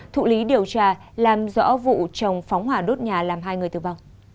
thụ lý điều tra làm rõ vụ chồng phóng hỏa đốt nhà làm hai người tử vong